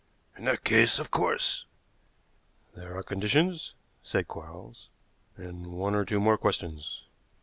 "In that case, of course " "There are conditions," said Quarles, "and one or two more questions."